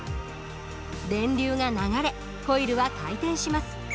電流が流れコイルは回転します。